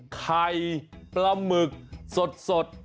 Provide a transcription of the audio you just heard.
ไข่ปลาหมึกสด